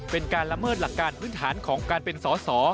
เป็นการละเมิดหลักการพื้นฐานของการเป็นสอสอ